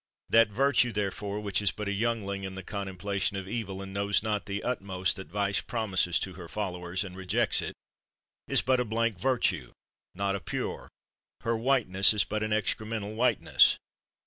That virtue, therefore, which is but a youngling in the contemplation of evil, and knows not the utmost that vice promises to her followers, and rejects it, is but a blank virtue, not a pure; her white ness is but an excremental whiteness.